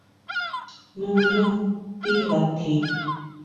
¿Nuyá tiʼatji?